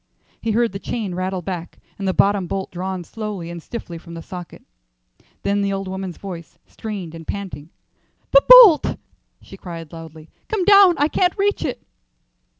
He heard the chain rattle back and the bottom bolt drawn slowly and stiffly from the socket. Then the old woman's voice, strained and panting. "The bolt," she cried, loudly. "Come down. I can't reach it."